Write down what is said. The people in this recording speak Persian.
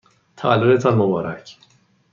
تولدتان مبارک!